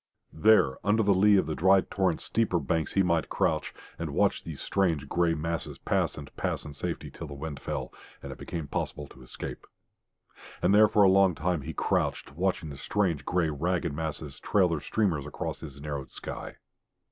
There under the lee of the dry torrent's steeper banks he might crouch, and watch these strange, grey masses pass and pass in safety till the wind fell, and it became possible to escape. And there for a long time he crouched, watching the strange, grey, ragged masses trail their streamers across his narrowed sky.